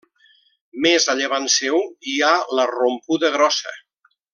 Més a llevant seu hi ha la Rompuda Grossa.